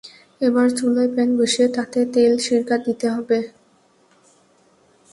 এবার চুলায় প্যান বসিয়ে তাতে তেল সিরকা দিতে হবে।